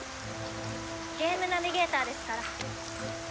ゲームナビゲーターですから。